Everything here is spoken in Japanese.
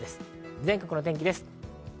全国の天気です。